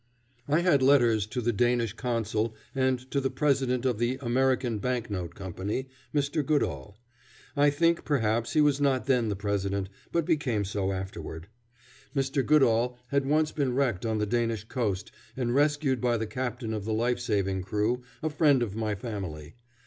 I had letters to the Danish Consul and to the President of the American Banknote Company, Mr. Goodall. I think perhaps he was not then the president, but became so afterward. Mr. Goodall had once been wrecked on the Danish coast and rescued by the captain of the lifesaving crew, a friend of my family.